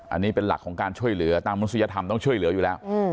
อันนี้เป็นหลักของการช่วยเหลือตามมนุษยธรรมต้องช่วยเหลืออยู่แล้ว